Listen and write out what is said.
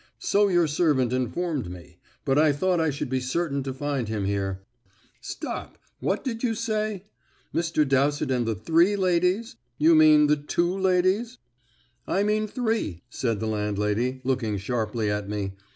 "So your servant informed me; but I thought I should be certain to find him here. Stop. What did you say? Mr. Dowsett and the three ladies? You mean the two ladies?" "I mean three," said the landlady, looking sharply at me.